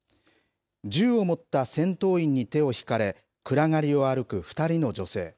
銃を持った戦闘員に手を引かれ、暗がりを歩く２人の女性。